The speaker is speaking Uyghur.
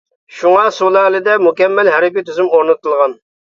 شۇڭا سۇلالىدە مۇكەممەل ھەربىي تۈزۈم ئورنىتىلغان.